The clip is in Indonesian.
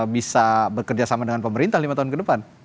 bisa bekerja sama dengan pemerintah lima tahun ke depan